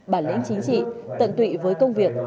bản lĩnh chính trị tận tụy với công việc